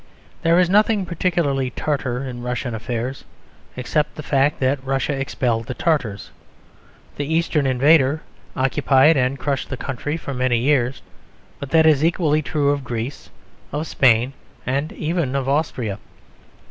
There is nothing particularly Tartar in Russian affairs, except the fact that Russia expelled the Tartars. The Eastern invader occupied and crushed the country for many years; but that is equally true of Greece, of Spain and even of Austria.